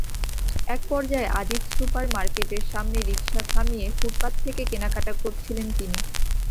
একপর্যায়ে Aziz super market সামনে রিকশা থামিয়ে ফুটপাত থেকে কেনাকাটা করছিলেন তিনি।